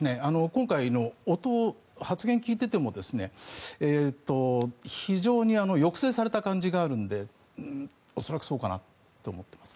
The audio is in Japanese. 今回の音、発言を聞いていても非常に抑制された感じがあるので恐らくそうかなと思っています。